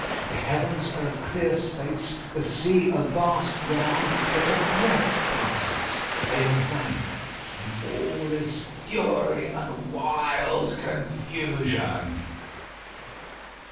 The heavens are a clear space, the sea a vast round; but a breath passes, they have vanished, and all is fury and wild confusion.